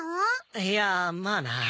いやまあな。